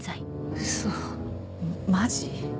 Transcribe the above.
ウソマジ？